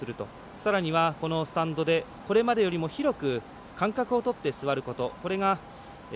さらには、スタンドでこれまでよりも広く間隔をとって座ること。